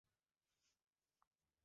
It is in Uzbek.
Qamoqxonlarda buyuk asarlar yaratilgan.